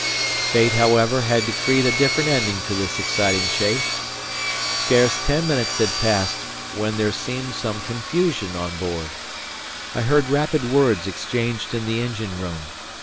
Fate, however, had decreed a different ending to this exciting chase. Scarce ten minutes had passed when there seemed some confusion on board. I heard rapid words exchanged in the engine room.